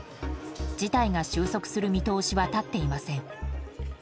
事態が収束する見通しは立っていません。